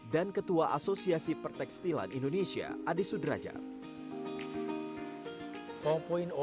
dan ketua asosiasi pertekstilan indonesia adi sudrajat